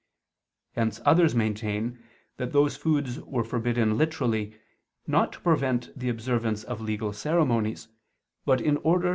Hence others maintain that those foods were forbidden literally, not to prevent the observance of legal ceremonies, but in order to prevent gluttony.